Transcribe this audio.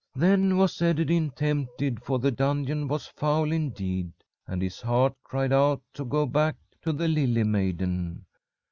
"Then was Ederyn tempted, for the dungeon was foul indeed, and his heart cried out to go back to the lily maiden.